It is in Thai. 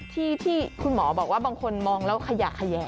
ที่คุณหมอบอกว่าบางคนมองแล้วขยะแขยง